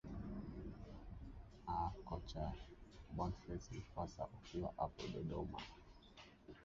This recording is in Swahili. aa kocha bonface mkwasa ukiwa hapo dodoma